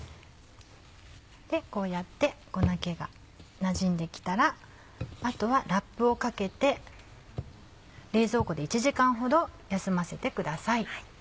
こうやって粉気がなじんで来たらあとはラップをかけて冷蔵庫で１時間ほど休ませてください。